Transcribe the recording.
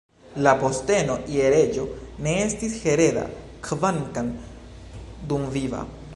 La posteno je reĝo ne estis hereda, kvankam dumviva.